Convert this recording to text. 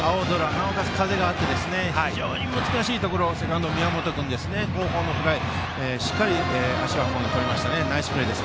なおかつ風があって非常に難しいところをセカンドの宮本君、後方のフライしっかり足を運んでとりましたね。